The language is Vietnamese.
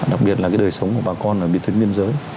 đặc biệt là cái đời sống của bà con ở biệt tuyến biên giới